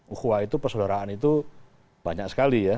uhwa itu persaudaraan itu banyak sekali ya